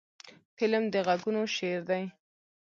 فلم د غږونو شعر دی